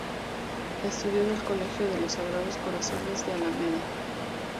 Estudió en el Colegio de Los Sagrados Corazones de Alameda.